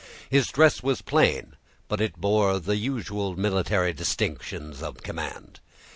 His dress was plain, but it bore the usual military distinctions of command.